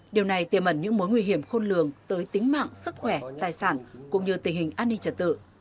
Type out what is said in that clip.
điều này tiềm ẩn những mối nguy hiểm khôn lường tới tính mạng sức khỏe tài sản cũng như tình hình an ninh trật tự